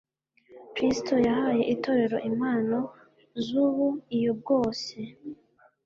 Kristo yahaye itorero impano z'ubuiyo bwose